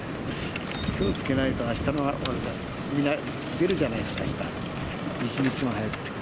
きょう付けないと、あした、みんな見るじゃないですか、あした。